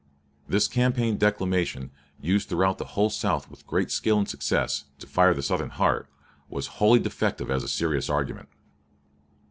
This campaign declamation, used throughout the whole South with great skill and success, to "fire the Southern heart," was wholly defective as a serious argument.